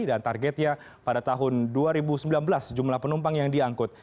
dan targetnya pada tahun dua ribu sembilan belas jumlah penumpang yang diangkut